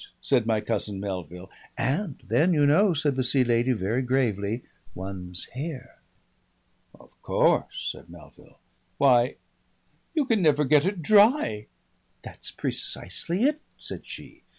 said my cousin Melville. "And then you know," said the Sea Lady very gravely, "one's hair!" "Of course," said Melville. "Why! you can never get it dry!" "That's precisely it," said she.